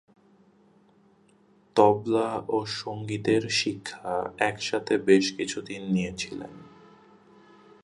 তবলা ও সঙ্গীতের শিক্ষা একসাথে বেশ কিছুদিন নিয়েছিলেন।